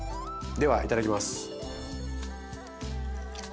ではいただきます。